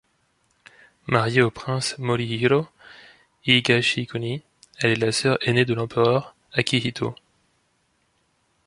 Mariée au prince Morihiro Higashikuni, elle est la sœur aînée de l'empereur Akihito.